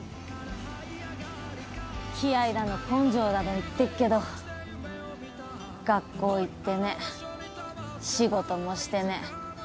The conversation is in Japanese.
気合だの根性だの言ってっけど学校行ってねえ仕事もしてねえ